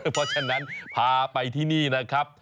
เพราะฉะนั้นพาไปที่นี่นะครับ